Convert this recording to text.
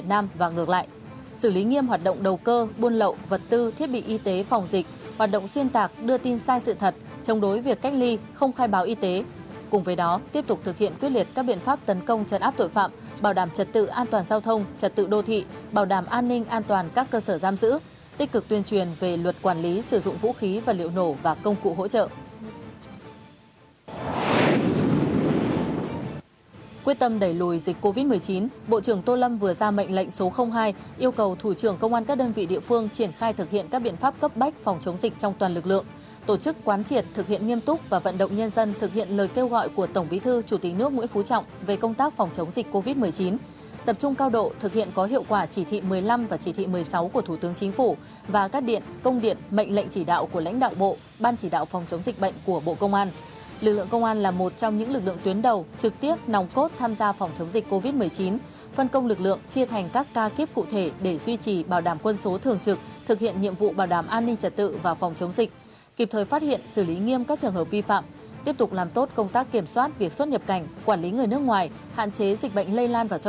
tổ chức quán triển thực hiện nghiêm túc và vận động nhân dân thực hiện lời kêu gọi của tổng bí thư chủ tịch nước nguyễn phú trọng về công tác phòng chống dịch của tổng bí thư chủ tịch nước nguyễn phú trọng về công tác phòng chống dịch của tổng bí thư chủ tịch nước nguyễn phú trọng về công tác phòng chống dịch của tổng bí thư chủ tịch nước nguyễn phú trọng về công tác phòng chống dịch của tổng bí thư chủ tịch nước nguyễn phú trọng về công tác phòng chống dịch của tổng bí thư chủ tịch nước nguyễn phú trọng về công tác phòng chống dịch